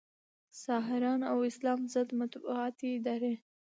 ساحران او اسلام ضد مطبوعاتي ادارې